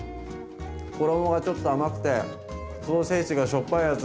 衣がちょっと甘くてソーセージがしょっぱいやつ。